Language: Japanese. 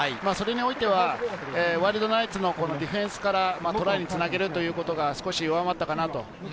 それにおいてはワイルドナイツのディフェンスからトライにつなげるということが少し上回ったかなと。